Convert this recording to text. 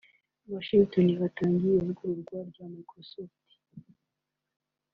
I Washington hatangiye ivugururwa rya Microsoft